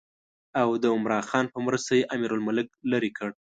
او د عمرا خان په مرسته یې امیرالملک لرې کړ.